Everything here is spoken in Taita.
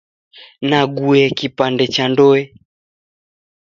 Nague kipande cha ndoe.